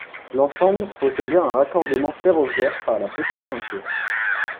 L'ensemble possédait un raccordement ferroviaire par la petite ceinture.